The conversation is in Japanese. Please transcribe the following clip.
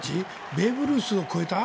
ベーブ・ルースを超えた。